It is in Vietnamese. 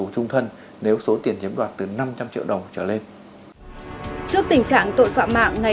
của các đối tượng